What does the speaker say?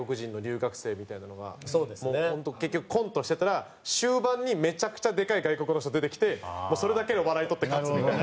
結局コントしてたら終盤にめちゃくちゃでかい外国の人出てきてもうそれだけで笑いとって勝つみたいな。